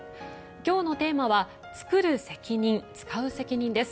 今日のテーマは「つくる責任つかう責任」。